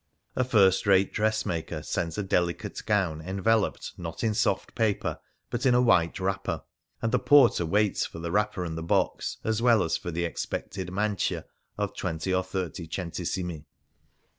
A first rate dressmaker sends a delicate gown enveloped, not in soft paper, but in a white wrapper, and the porter waits for the wrapper and the box, as well as for the expected mancia of twenty or thirty centesimi.